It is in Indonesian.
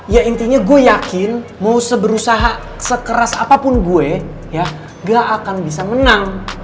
ya intinya gue yakin mau seberusaha sekeras apapun gue ya gak akan bisa menang